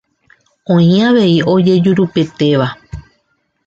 Oĩ avei ojejurupetéva.